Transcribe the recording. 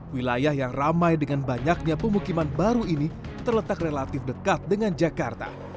wilayah yang ramai dengan banyaknya pemukiman baru ini terletak relatif dekat dengan jakarta